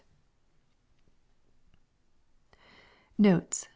Notes.